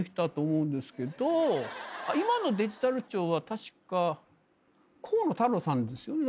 今のデジタル庁は確か河野太郎さんですよね。